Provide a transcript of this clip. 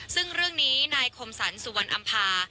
ซึ่งเรื่องนี้นายคมสรรสุวรรณอำภา